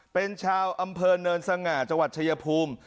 เป็นชาวอำเภอเนินสง่าจังหวัดชายภูมิ